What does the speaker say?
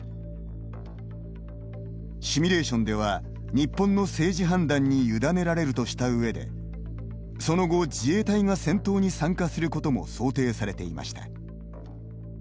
シミュレーションでは日本の政治判断に委ねられるとした上で、その後自衛隊が戦闘に参加することも想定されていました。